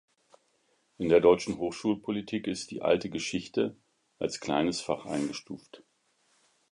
In der deutschen Hochschulpolitik ist die Alte Geschichte als Kleines Fach eingestuft.